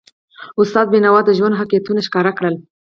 استاد بینوا د ژوند حقیقتونه ښکاره کړل.